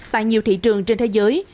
tại nhiều thị trường trên thế giới